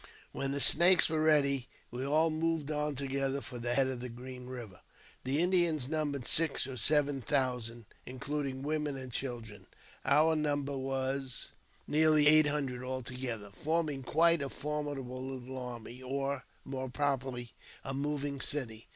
When the Snakes were ready, we all moved on together fo^ the head of Green Eiver. The Indians numbered six or sevei thousand, including women and children; our number waf nearly eight hundred altogether, forming quite a formidable little army, or, more properly, a moving city.